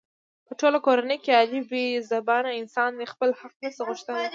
په ټوله کورنۍ کې علي بې زبانه انسان دی. خپل حق نشي غوښتلی.